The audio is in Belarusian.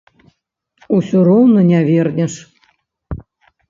Усё роўна не вернеш.